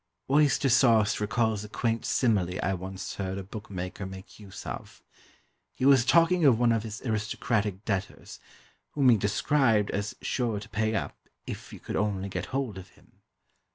"Oyster sauce" recalls a quaint simile I once heard a bookmaker make use of. He was talking of one of his aristocratic debtors, whom he described as sure to pay up, if you could only get hold of him.